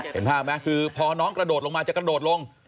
เห็นภาพไหมคือพอน้องกระโดดลงมาจะกระโดดลง